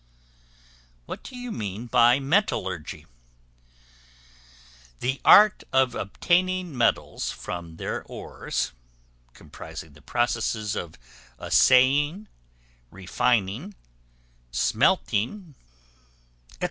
What do you mean by Metallurgy? The art of obtaining metals from their ores, comprising the processes of assaying, refining, smelting, &c.